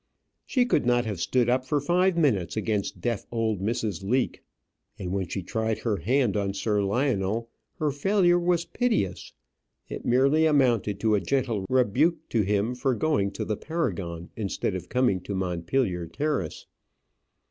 She could not have stood up for five minutes against deaf old Mrs. Leake; and when she tried her hand on Sir Lionel, her failure was piteous. It merely amounted to a gentle rebuke to him for going to the Paragon instead of coming to Montpellier Terrace.